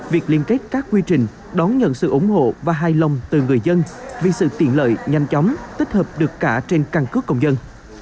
việc liên kết các quy trình đón nhận sự ủng hộ và hài lòng từ người dân vì sự tiện lợi nhanh chóng tích hợp được cả trên căn cước công dân